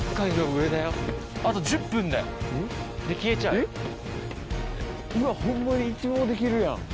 うわホンマに一望できるやん。